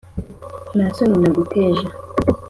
Nta soni naguteje